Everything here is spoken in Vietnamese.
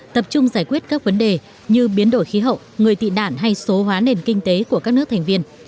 tập trung giải quyết các vấn đề như biến đổi khí hậu người tị nạn hay số hóa nền kinh tế của các nước thành viên